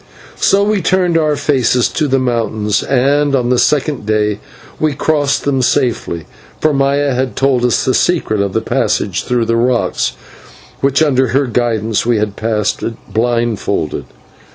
So we turned our faces to the mountains, and on the second day we crossed them safely, for Maya had told us the secret of the passage through the rocks, which, under her guidance, we had passed blindfolded.